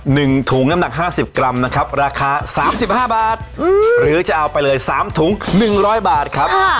หนึ่งถุงน้ำหนักห้าสิบกรัมนะครับราคาสามสิบห้าบาทอืมหรือจะเอาไปเลยสามถุงหนึ่งร้อยบาทครับ